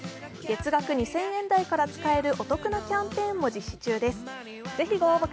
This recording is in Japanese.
月額２０００円台から使えるお得なキャンペーンも実施中です。